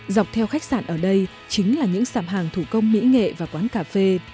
dọc theo khách sạn ở đây chính là những sạp hàng thủ công mỹ nghệ và quán cà phê